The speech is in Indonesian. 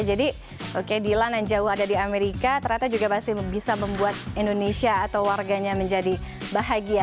jadi oke dilan yang jauh ada di amerika ternyata juga pasti bisa membuat indonesia atau warganya menjadi bahagia